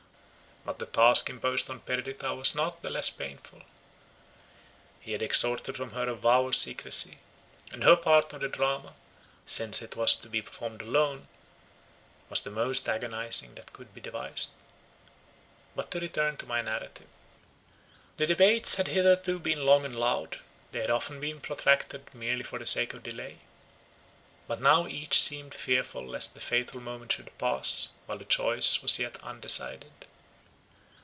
But the task imposed on Perdita was not the less painful. He had extorted from her a vow of secrecy; and her part of the drama, since it was to be performed alone, was the most agonizing that could be devised. But to return to my narrative. The debates had hitherto been long and loud; they had often been protracted merely for the sake of delay. But now each seemed fearful lest the fatal moment should pass, while the choice was yet undecided.